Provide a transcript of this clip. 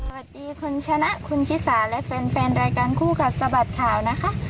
สวัสดีคุณชนะคุณชิสาและแฟนรายการคู่กัดสะบัดข่าวนะคะ